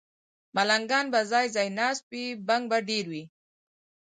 ملنګان به ځای، ځای ناست وي، بنګ به ډېر وي